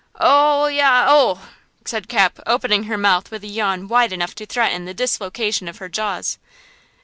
Ohyah!–oo!" said Cap, opening her mouth with a yawn wide enough to threaten the dislocation of her jaws.